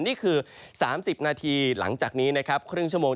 นี่คือ๓๐นาทีหลังจากนี้นะครับครึ่งชั่วโมง